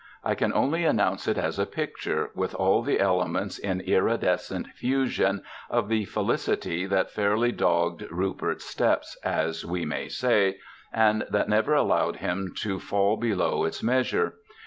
I can only announce it as a picture, with all the elements in iridescent fusion, of the felicity that fairly dogged Rupert's steps, as we may say, and that never allowed him to fall below its measure.